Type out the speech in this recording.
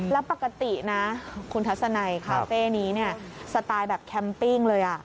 แล้วปกตินะคุณทัศนัยคาเฟ่นี้เนี่ยสไตล์แบบแคมปิ้งเลย